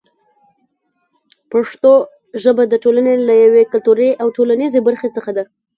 پښتو ژبه د ټولنې له یوې کلتوري او ټولنیزې برخې څخه ده.